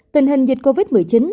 tình hình dịch covid một mươi chín